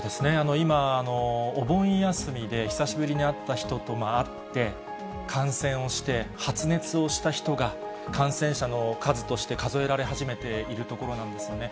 今、お盆休みで久しぶりに会った人と会って、感染をして、発熱をした人が、感染者の数として数えられ始めているところなんですよね。